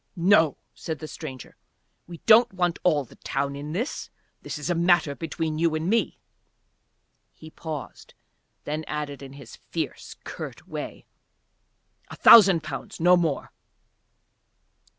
"No," said the stranger. "We don't want all the town in this. This is a matter between you and me." He paused, then added in his fierce, curt way: "A thousand pounds, no more."